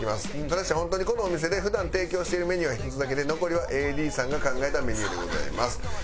ただし本当にこのお店で普段提供しているメニューは１つだけで残りはＡＤさんが考えたメニューでございます。